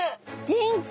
元気。